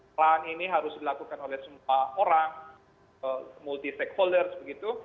perlahan ini harus dilakukan oleh semua orang multi stakeholders begitu